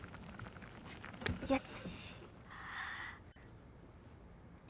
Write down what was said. よし。